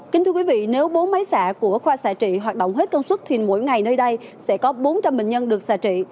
kính thưa quý vị nếu bốn máy xạ của khoa sạ trị hoạt động hết công suất thì mỗi ngày nơi đây sẽ có bốn trăm linh bệnh nhân được xà trị